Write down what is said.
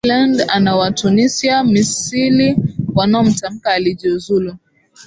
waziri mkuu wa ireland anawatunisia misili wanaomtaka ajiuzulu